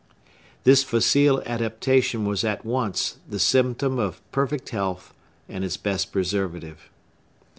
This facile adaptation was at once the symptom of perfect health and its best preservative.